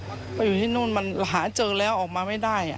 ไปอยู่ที่นู่นมันหาเจอแล้วออกมาไม่ได้